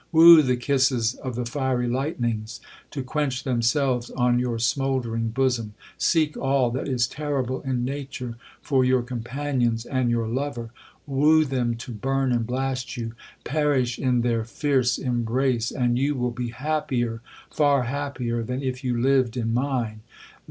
Woo the kisses of the fiery lightnings, to quench themselves on your smouldering bosom! Seek all that is terrible in nature for your companions and your lover!—woo them to burn and blast you—perish in their fierce embrace, and you will be happier, far happier, than if you lived in mine!